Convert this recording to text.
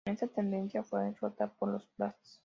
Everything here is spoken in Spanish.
Esta tendencia fue rota por las Bratz.